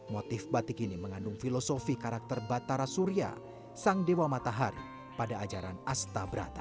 motif batik ini mengandung filosofi karakter batara surya sang dewa matahari pada ajaran astabrata